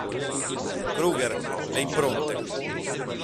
Kruger, le impronte.